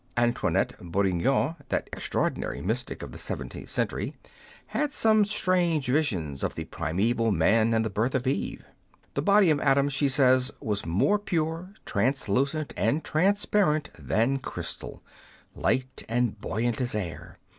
Antoinette Bourignon, that extraordinary mystic of the seventeenth century, had some strange visions of the primeval man and the birth of Eve. The body of Adam, she says, was more pure, translucent, and transparent than crystal, light and buoyant as air.